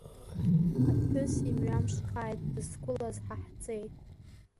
Аԥҳәыс имҩамшхааит дызқәылаз ҳа ҳҵеи!